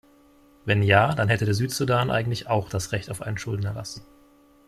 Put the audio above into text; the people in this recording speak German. Wenn ja, dann hätte der Südsudan eigentlich auch das Recht auf einen Schuldenerlass.